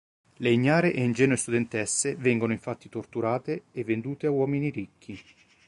Le ignare e ingenue studentesse vengono infatti torturate e vendute a uomini ricchi.